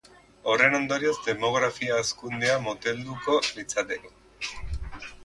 Horren ondorioz, demografia-hazkundea motelduko litzateke.